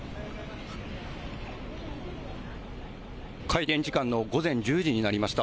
開店時間の午前１０時になりました。